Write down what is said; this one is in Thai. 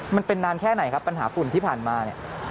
มันเป็นนานแค่ไหนครับปัญหาฝุ่นที่ผ่านมาเนี่ย